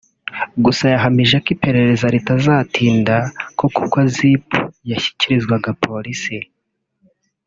Gusa yahamije ko iperereza ritazatinda kuko ubwo Zipp yashyikirizwaga polisi